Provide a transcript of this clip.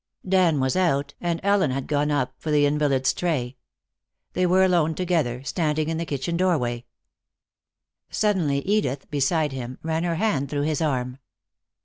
Dan was out, and Ellen had gone up for the invalid's tray. They were alone together, standing in the kitchen doorway. Suddenly Edith, beside him, ran her hand through his arm.